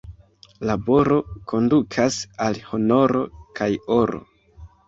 Laboro kondukas al honoro kaj oro.